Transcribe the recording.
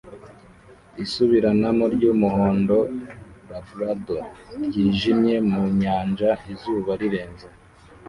Isubiranamo ry'umuhondo Labrador ryinjira mu nyanja izuba rirenze